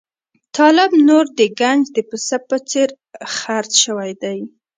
طالب نور د ګنج د پسه په څېر خرڅ شوی دی.